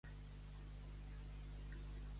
Què s'ha celebrat a Montanejos?